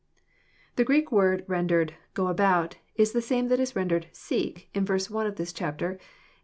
The Greek word rendered " go about," is the same that is rendered seek " in v. 1 of this chapter, and ch.